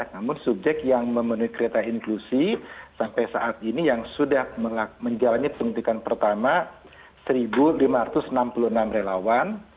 namun subjek yang memenuhi kereta inklusi sampai saat ini yang sudah menjalani suntikan pertama satu lima ratus enam puluh enam relawan